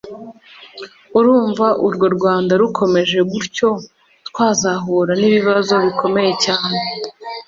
urumva urwo Rwanda rukomeje gutyo twazahura n’ibibazo bikomeye cyane